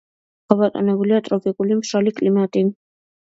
გაბატონებულია ტროპიკული მშრალი კლიმატი.